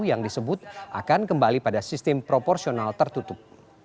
yang disebut akan kembali pada sistem proporsional tertutup